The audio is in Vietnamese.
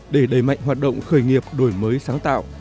để đẩy mạnh hoạt động khởi nghiệp đổi mới sáng tạo